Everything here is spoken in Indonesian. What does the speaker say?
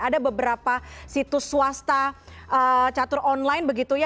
ada beberapa situs swasta catur online begitu ya